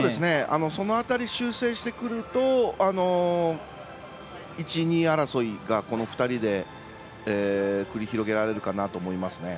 その辺り、修正してくると１位、２位争いがこの２人で繰り広げられるかなと思います。